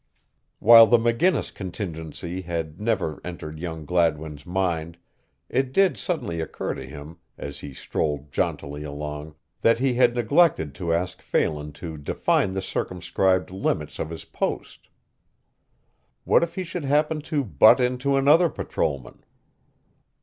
While the McGinnis contingency had never entered young Gladwin's mind it did suddenly occur to him as he strolled jauntily along that he had neglected to ask Phelan to define the circumscribed limits of his post. What if he should happen to butt into another patrolman?